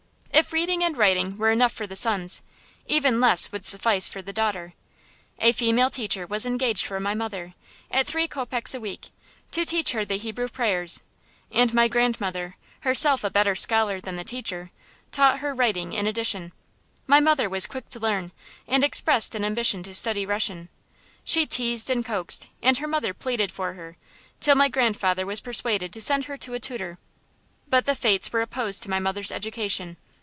If reading and writing were enough for the sons, even less would suffice the daughter. A female teacher was engaged for my mother, at three kopecks a week, to teach her the Hebrew prayers; and my grandmother, herself a better scholar than the teacher, taught her writing in addition. My mother was quick to learn, and expressed an ambition to study Russian. She teased and coaxed, and her mother pleaded for her, till my grandfather was persuaded to send her to a tutor. But the fates were opposed to my mother's education.